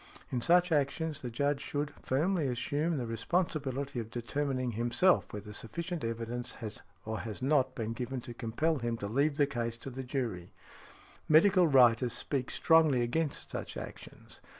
In such actions the Judge should |77| firmly assume the responsibility of determining himself whether sufficient evidence has or has not been given to compel him to leave the case to the jury" . Medical writers speak strongly against such actions.